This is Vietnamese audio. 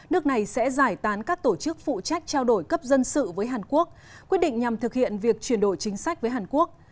nước này sẽ giải tán các tổ chức phụ trách trao đổi cấp dân sự với hàn quốc quyết định nhằm thực hiện việc chuyển đổi chính sách với hàn quốc